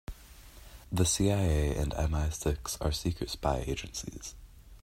The CIA and MI-Six are secret spy agencies.